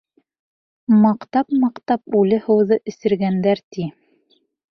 Маҡтап-маҡтап үле һыуҙы эсергәндәр, ти.